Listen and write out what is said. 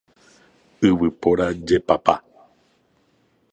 Yvypóra jepapa.